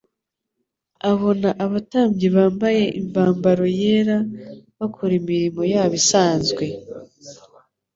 Abona abatambyi bambaye imvambaro yera, bakora imirimo yabo isanzwe.